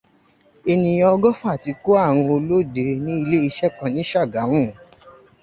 Ènìyàn ọgọ́fà ti kó ààrùn olóde ní ílééṣẹ́ kan ní Ṣàgámù.